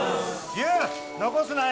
優残すなよ